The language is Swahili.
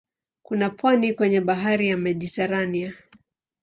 Kuna pwani kwenye bahari ya Mediteranea.